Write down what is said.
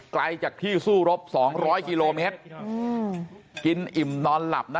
ไกลจากที่สู้รบสองร้อยกิโลเมตรอืมกินอิ่มนอนหลับนะ